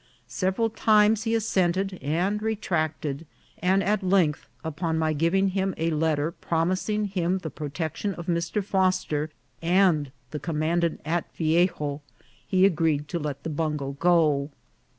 Several times he assented and retracted ; and at length, upon my giving him a letter promising him the protection of Mr. Foster and the commandant at Viejo, he agreed to let the bungo go.